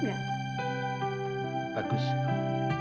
aw mau bangun cowok